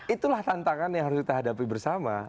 itulah tantangan yang harus kita hadapi bersama